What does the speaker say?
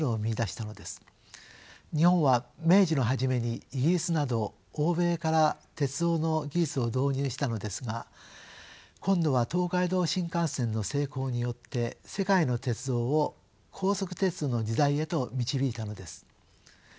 日本は明治の初めにイギリスなど欧米から鉄道の技術を導入したのですが今度は東海道新幹線の成功によって世界の鉄道を高速鉄道の時代へと導いたのです。